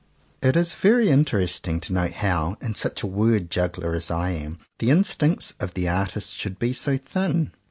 It is very interesting to note how, in such a word juggler as I am, the instincts of the artist should be so thin.